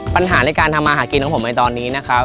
ปัญหาในการทำมาหากินของผมในตอนนี้นะครับ